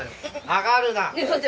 上がるな！